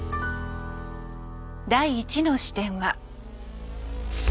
第１の視点は。